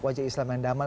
wajah islam yang damai